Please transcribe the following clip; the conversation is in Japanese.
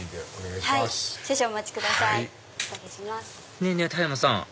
ねぇねぇ田山さん